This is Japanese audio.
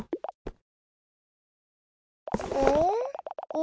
お？